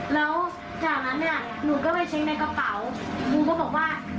แล้วจากนั้นหนูก็ไปเช็คในกระเป๋าหนูก็บอกว่าเล่นนี้